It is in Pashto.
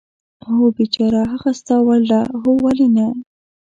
هو، بېچاره، هغه ستا وړ ده؟ هو، ولې نه.